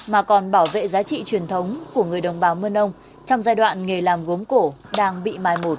mà còn bảo vệ giá trị truyền thống của người đồng bào mân âu trong giai đoạn nghề làm gốm cổ đang bị mai một